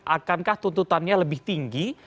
akankah tuntutannya lebih tinggi